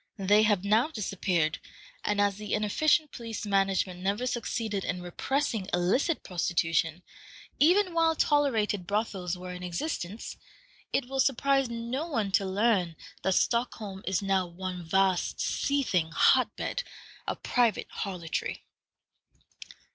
They have now disappeared, and as the inefficient police management never succeeded in repressing illicit prostitution, even while tolerated brothels were in existence, it will surprise no one to learn that Stockholm is now one vast, seething hot bed of private harlotry.